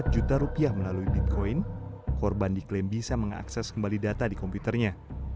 empat juta rupiah melalui bitcoin korban diklaim bisa mengakses kembali data di komputernya